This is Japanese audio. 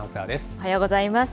おはようございます。